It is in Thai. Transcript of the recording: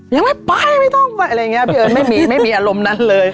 ยังไม่ไปไม่ต้องไปอะไรอย่างนี้พี่เอิ้นไม่มีไม่มีอารมณ์นั้นเลย